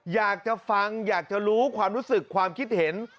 อยากจะฟังอยากจะรู้ความรู้สึกความคิดเห็น